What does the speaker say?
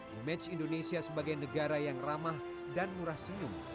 mematch indonesia sebagai negara yang ramah dan murah senyum